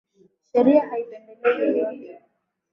Sheria haipendelei yeyote